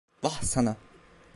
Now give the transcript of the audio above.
Vah sana…